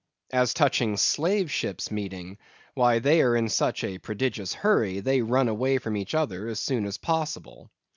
As touching Slave ships meeting, why, they are in such a prodigious hurry, they run away from each other as soon as possible.